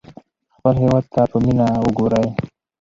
خپل هېواد ته په مینه وګورئ.